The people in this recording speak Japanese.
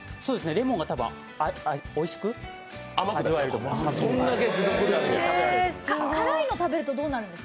レモンがたぶんおいしく味わえると思います。